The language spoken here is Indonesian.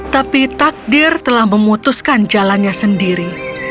tapi takdir telah memutuskan jalannya sendiri